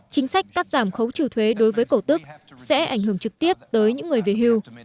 chính sách cắt giảm khấu trừ thuế đối với cổ tức sẽ ảnh hưởng trực tiếp tới những người về hưu